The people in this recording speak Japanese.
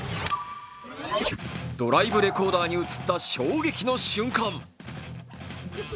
ドライブレコーダーに映った衝撃の瞬間。